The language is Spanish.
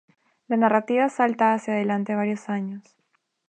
La narrativa salta hacia adelante varios años.